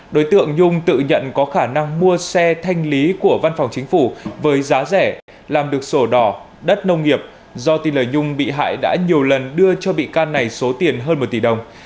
đối tượng nhung tự nhận có khả năng mua xe thanh lý của văn phòng chính phủ với giá rẻ làm được sổ đỏ đất nông nghiệp do tin lời nhung bị hại đã nhiều lần đưa cho bị can này số tiền hơn một tỷ đồng